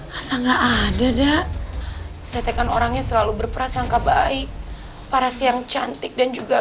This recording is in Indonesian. masa nggak ada dek saya tekan orangnya selalu berperasaankabai para siang cantik dan juga